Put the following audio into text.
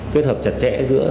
kết hợp chặt chẽ giữa